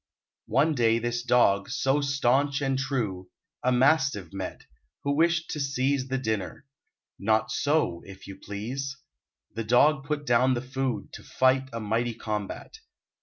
One day this Dog, so staunch and true, A mastiff met, who wished to seize The dinner. Not so, if you please. The Dog put down the food, to fight A mighty combat.